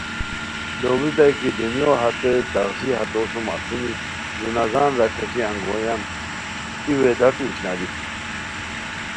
لوڑیتائے کی دنیو ہتے تغزی ہتو سوم اسونی جنازان راکھیݰی انگویان، ای ویداݯو اشناری